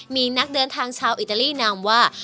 มีนักเดินทางชาวอิตาลีนามว่า